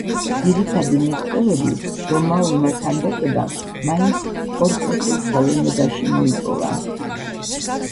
ძირითადი მიღწევები რომაულმა ქანდაკებამ მაინც პორტრეტულ ხელოვნებაში მოიპოვა.